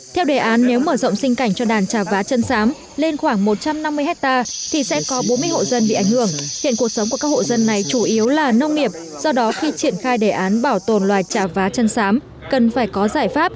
theo đề án nếu mở rộng sinh cảnh cho đàn trà vá chân sám lên khoảng một trăm năm mươi hectare thì sẽ có bốn mươi hộ dân bị ảnh hưởng hiện cuộc sống của các hộ dân này chủ yếu là nông nghiệp do đó khi triển khai đề án bảo tồn loài trà vá chân sám cần phải có giải pháp